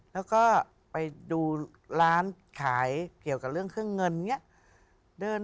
แล้วก็ไปดูร้านขายเกี่ยวกับเรื่องเครื่องเงินอย่างนี้